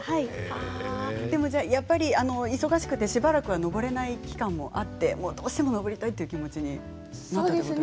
やっぱり忙しくてしばらく登れない期間があって登りたいという気持ちになったんですね。